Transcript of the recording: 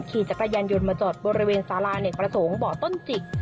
ขี่จักรยานยนต์มาจอดบริเวณสาราเนกประสงค์เบาะต้นจิก